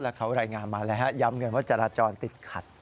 แล้วเขารายงานมาแล้วย้ำเงินว่าจราจรติดขัด